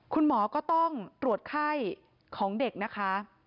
คุณหมอก็ต้องตรวจไข้ของเด็กนะคะ